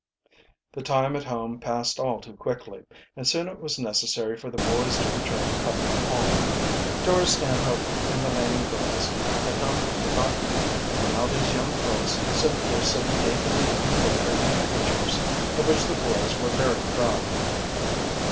The time at home passed all too quickly, and soon it was necessary for the boys to return to Putnam Hall. Dora Stanhope and the Laning girls had not been forgotten, and now these young folks sent gifts of dainty embroidered handkerchiefs, of which the boys were very proud.